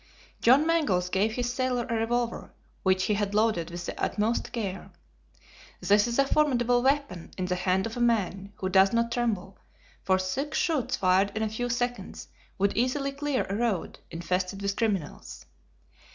John Mangles gave his sailor a revolver, which he had loaded with the utmost care. This is a formidable weapon in the hand of a man who does not tremble, for six shots fired in a few seconds would easily clear a road infested with criminals.